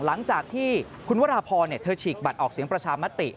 หลังจากที่คุณวราพรเธอฉีกบัตรออกเสียงประชามติ